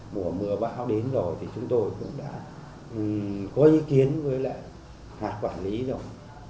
mùa mưa bão đến rồi thì chúng tôi cũng đã có ý kiến với lại hạt quản lý rồi